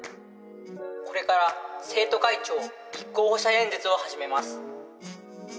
これから生徒会長立候補者演説を始めます。